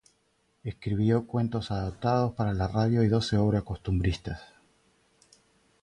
Escribió cuentos adaptados para la radio y doce obras costumbristas.